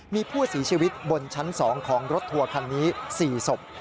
มีผู้เสียชีวิตบนชั้น๒ของรถทัวร์คันนี้๔ศพ